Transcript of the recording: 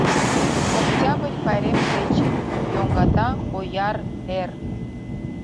...Октябрь пайрем кече. йоҥгата ояр эр.